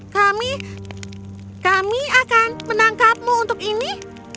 kami kami akan menangkapmu untuk ini